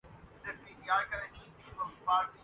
لاطینی